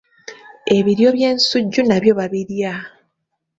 Ebiryo by'ensujju nabyo babirya.